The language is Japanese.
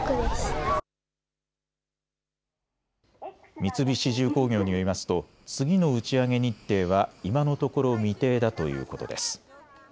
三菱重工業によりますと次の打ち上げ日程は今のところ未定だということです。